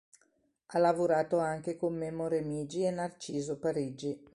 Ha lavorato anche con Memo Remigi e Narciso Parigi.